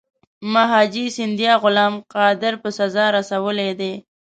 مهاجي سیندیا غلام قادر په سزا رسولی دی.